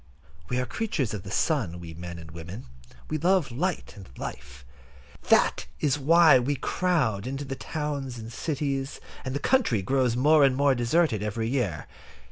We are creatures of the sun, we men and women. We love light and life. That is why we crowd into the towns and cities, and the country grows more and more deserted every year.